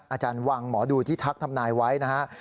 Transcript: อาจารย์วังหมอดูที่ทักทำนายไว้นะฮะ